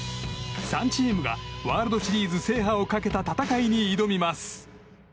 ３チームがワールドシリーズ制覇をかけた戦いに挑みます。